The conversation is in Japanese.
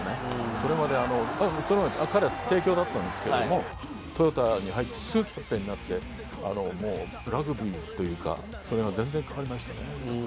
それまで彼は帝京だったんですけど、トヨタに入って、すぐキャプテンになって、ラグビーというか、それが全然変わりましたね。